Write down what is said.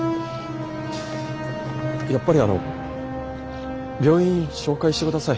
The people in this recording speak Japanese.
やっぱりあの病院紹介してください。